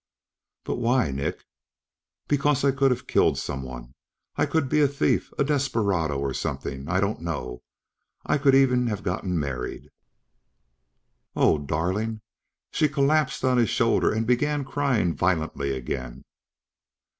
"But why, Nick?" "Because I could have killed someone. I could be a thief, a desperado or something. I don't know. I could even have gotten married..." "Oh, darling!" She collapsed on his shoulder and began crying violently again.